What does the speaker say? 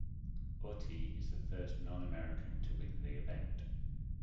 Autti is the first non-American to win the event.